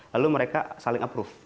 lalu mereka saling approve